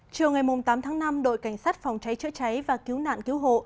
chiều ngày tám tháng năm đội cảnh sát phòng cháy chữa cháy và cứu nạn cứu hộ